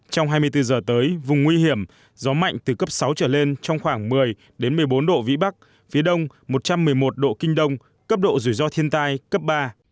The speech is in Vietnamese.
trong hai mươi bốn giờ tới vùng nguy hiểm gió mạnh từ cấp sáu trở lên trong khoảng một mươi một mươi bốn độ vĩ bắc phía đông một trăm một mươi một độ kinh đông cấp độ rủi ro thiên tai cấp ba